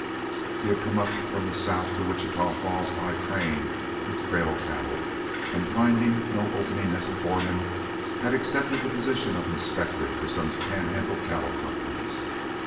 He had come up from the south to Wichita Falls by train with trail cattle, and finding no opening as a foreman, had accepted the position of inspector for some Panhandle cattle companies.